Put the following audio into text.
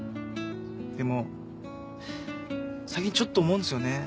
でも最近ちょっと思うんですよね。